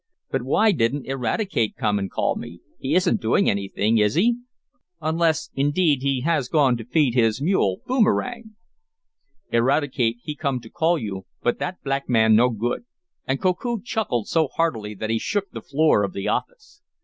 But why didn't Eradicate come and call me. He isn't doing anything, is he? Unless, indeed, he has gone to feed his mule, Boomerang." "Eradicate, he come to call you, but that black man no good!" and Koku chuckled so heartily that he shook the floor of the office.